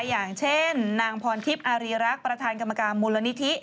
อย่างเช่นนางพรทิพย์อารีรักษ์ประธานกรรมการมูลนิธิ